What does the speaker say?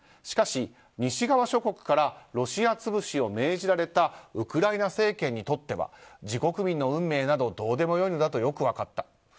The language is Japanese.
しかし、西側諸国からロシア潰しを命じられたウクライナ政権にとっては自国民の運命などどうでもよいのだとよく分かった。